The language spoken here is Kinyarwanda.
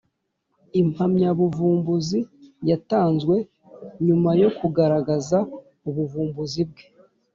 impamyabuvumbuzi yatanzwe nyuma yokugaragaza ubuvumbuzi bwe